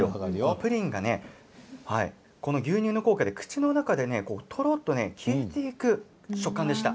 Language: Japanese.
プリンがこの牛乳の効果で口の中でとろっと消えていく食感でした。